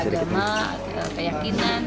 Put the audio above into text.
kepercayaan kepercayaan kepercayaan kepercayaan